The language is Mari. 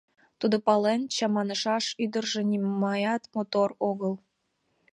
Тудо пален, чаманышаш ӱдыржӧ нимаят мотор огыл.